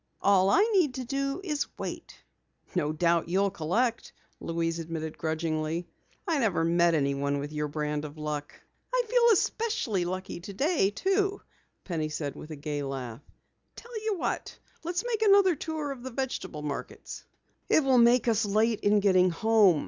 "All I need to do is wait." "No doubt you'll collect," Louise admitted grudgingly. "I never met anyone with your brand of luck." "I feel especially lucky today too," Penny said with a gay laugh. "Tell you what! Let's make another tour of the vegetable markets." "It will make us late in getting home.